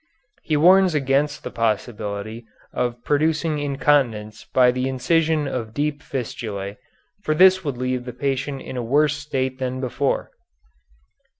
He warns against the possibility of producing incontinence by the incision of deep fistulæ, for this would leave the patient in a worse state than before.